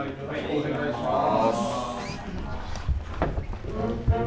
お願いします。